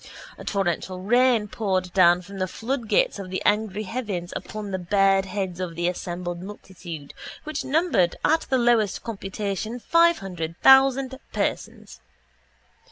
A torrential rain poured down from the floodgates of the angry heavens upon the bared heads of the assembled multitude which numbered at the lowest computation five hundred thousand persons.